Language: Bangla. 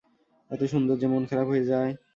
এত সুন্দর যে মন খারাপ হয়ে যায়।